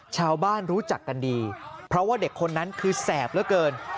รู้จักกันดีเพราะว่าเด็กคนนั้นคือแสบเหลือเกิน